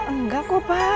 enggak kok pak